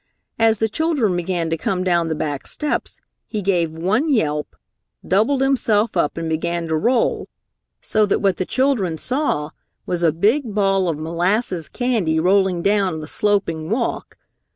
As the children began to come down the back steps, he gave one yelp, doubled himself up and began to roll, so that what the children saw was a big ball of molasses candy rolling down the sloping walk.